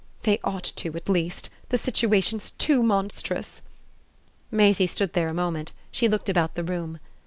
"They ought to, at least. The situation's too monstrous!" Maisie stood there a moment she looked about the room.